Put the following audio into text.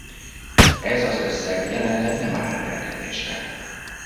Ez az összeg jelenleg nem áll rendelkezésre.